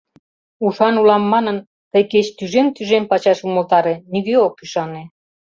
Ушан улам манын, тый кеч тӱжем-тӱжем пачаш умылтаре — нигӧ ок ӱшане.